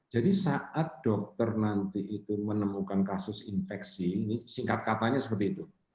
jadi saat dokter nanti itu menemukan kasus infeksi ini singkat katanya seperti itu